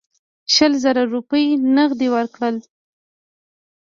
شل زره روپۍ نغدي ورکړل.